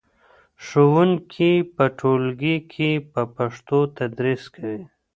ښوونکي په ټولګي کې په پښتو تدریس کوي.